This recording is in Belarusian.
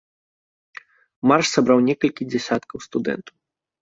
Марш сабраў некалькі дзясяткаў студэнтаў.